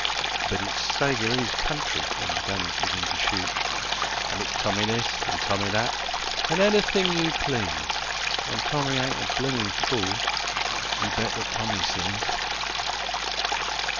But it's "Saviour of 'is country" when the guns begin to shoot; An' it's Tommy this, an' Tommy that, an' anything you please; An' Tommy ain't a bloomin' fool you bet that Tommy sees!